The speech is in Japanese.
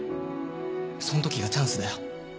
その時がチャンスだよ。